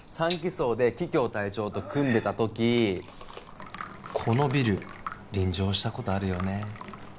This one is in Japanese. ３機捜で桔梗隊長と組んでた時このビル臨場したことあるよね？